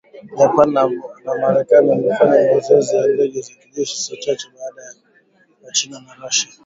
Japan na Marekani wamefanya mazoezi ya ndege za kijeshi saa chache baada ya China na Russia